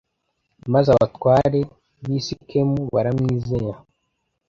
maze abatware b'i sikemu baramwizera